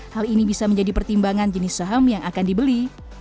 hal ini bisa menjadi pertimbangan jenis saham yang akan dibeli